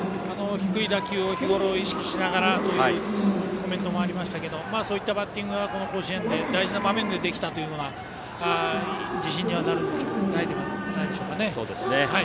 低い打球を日ごろから意識しながらというコメントもありましたがそういったバッティングがこの甲子園で大事な場面でできたのは自信になるんじゃないでしょうか。